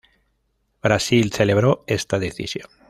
Brasil celebró esta decisión.